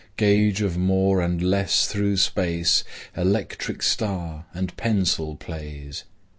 Gauge of more and less through space Electric star and pencil plays.